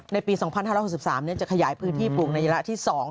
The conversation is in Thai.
ในปี๒๕๖๓จะขยายพื้นที่ปลูกในระยะที่๒